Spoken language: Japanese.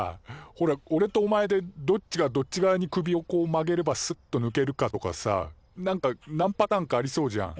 ほらおれとお前でどっちがどっち側に首をこう曲げればスッとぬけるかとかさなんかなんパターンかありそうじゃん。